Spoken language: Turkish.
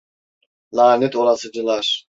Lanet olasıcalar!